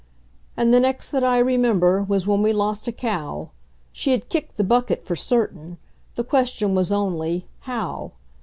And the next that I remember was when we lost a cow; She had kicked the bucket for certain, the question was only How?